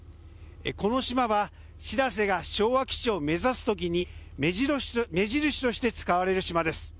この島はしらせが昭和基地を目指すときに目印として使われる島です。